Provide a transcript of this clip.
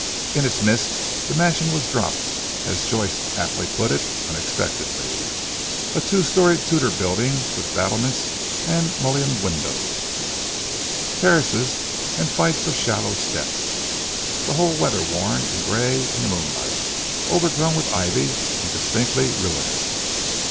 In its midst the mansion was dropped as Joyce aptly put it unexpectedly. A two storey Tudor building, with battlements, and mullioned windows, terraces and flights of shallow steps: the whole weather worn and grey in the moonlight, over grown with ivy, and distinctly ruinous.